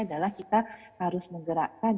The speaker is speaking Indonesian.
adalah kita harus menggerakkan